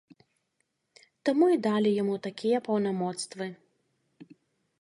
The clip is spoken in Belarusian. Таму і далі яму такія паўнамоцтвы.